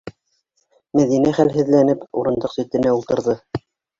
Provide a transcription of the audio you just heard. - Мәҙинә хәлһеҙләнеп урындыҡ ситенә ултырҙы.